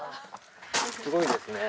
すごいですね。